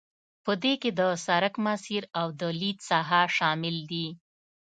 په دې کې د سرک مسیر او د لید ساحه شامل دي